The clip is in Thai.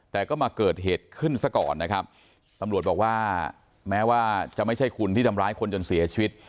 แต่ก็มาเกิดเหตุขึ้นซะก่อนนะครับตำรวจบอกว่าแม้ว่าจะไม่ใช่คุณที่ทำร้ายคนจนเสียชีวิต